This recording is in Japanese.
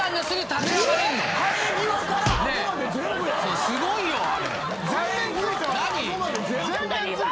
すごいよ。